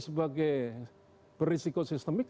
sebagai berisiko sistemik